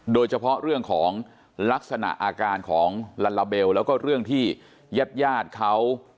โดยเฉพาะเรื่องของลักษณะอาการของลัลลาเบลแล้วก็เรื่องที่ญาติญาติเขา